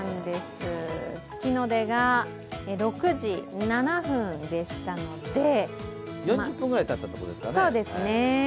月の出が、６時７分でしたので４０分ぐらいたったところですかね。